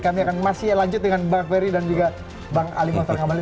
kami akan masih lanjut dengan bang ferry dan juga bang ali mohtar ngabalin